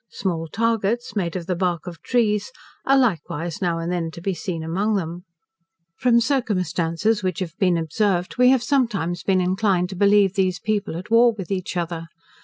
Small targets, made of the bark of trees, are likewise now and then to be seen among them. From circumstances which have been observed, we have sometimes been inclined to believe these people at war with each other.